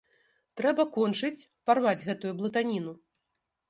Трэба кончыць, парваць гэтую блытаніну.